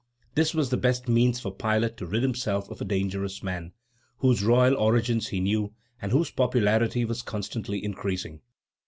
This was the best means for Pilate to rid himself of a dangerous man, whose royal origin he knew and whose popularity was constantly increasing.